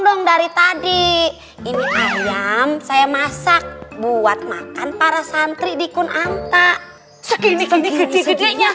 dong dari tadi ini ayam saya masak buat makan para santri di kunanta segini gedenya